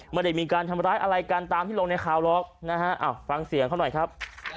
ไม่ได้มีการทำร้ายอะไรกันตามที่ลงในข่าวหรอกนะฮะฟังเสียงเขาหน่อยครับ